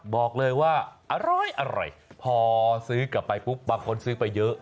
บอกเลยว่าอร้อยพอซื้อกลับไปปุ๊บบางคนซื้อไปเยอะ